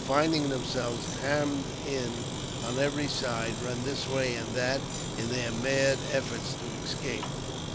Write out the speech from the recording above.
finding themselves hemmed in on every side, run this v^ay and that in their mad efforts to escape.